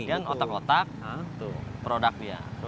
iya otak otak produk dia